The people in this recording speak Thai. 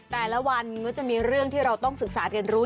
แต่ละวันก็จะมีเรื่องที่เราต้องศึกษาเรียนรู้